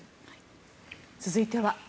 続いては。